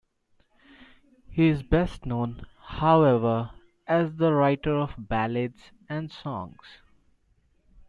He is best known, however, as the writer of ballads and songs.